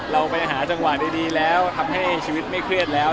เราไปหาจังหวะดีแล้วทำให้ชีวิตไม่เครียดแล้ว